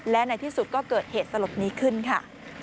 และในที่สุดก็เกิดเหตุสลดนี้ขึ้นค่ะ